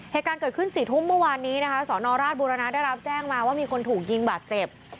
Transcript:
เหตุการณ์เกิดขึ้น๔ทุ่มเมื่อวานนี้นะคะสอนอราชบุรณะได้รับแจ้งมาว่ามีคนถูกยิงบาดเจ็บ